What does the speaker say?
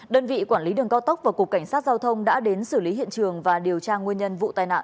đơn vị quản lý đường cao tốc và cục cảnh sát giao thông đã đến xử lý hiện trường và điều tra nguyên nhân vụ tai nạn